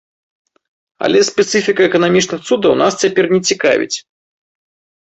Але спецыфіка эканамічных цудаў нас цяпер не цікавіць.